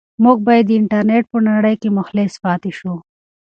موږ باید د انټرنيټ په نړۍ کې مخلص پاتې شو.